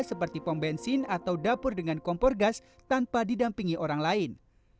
seperti pom bensin atau dapur dengan kompor gas tanpa didampingi orang lain